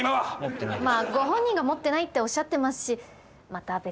ご本人が持ってないっておっしゃってますしまた別の機会に。